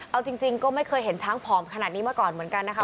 เอาจริงก็ไม่เคยเห็นช้างผอมขนาดนี้มาก่อนเหมือนกันนะคะ